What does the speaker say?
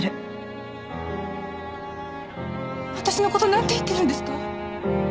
私の事なんて言ってるんですか？